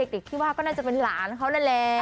เด็กที่ว่าก็น่าจะเป็นหลานเขานั่นแหละ